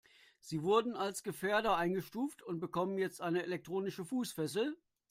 Sie wurden als Gefährder eingestuft und bekommen jetzt eine elektronische Fußfessel.